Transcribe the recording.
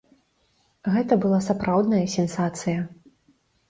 Гэта была сапраўдная сенсацыя.